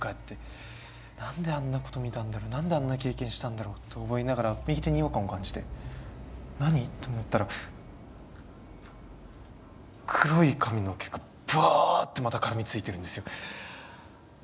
「何であんなこと見たんだろう何であんな経験したんだろう」と思いながら右手に違和感を感じて何と思ったら黒い髪の毛がブワァってまた絡みついてるんですよ。